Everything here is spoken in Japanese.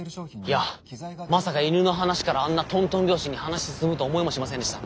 いやまさか犬の話からあんなとんとん拍子に話進むとは思いもしませんでした。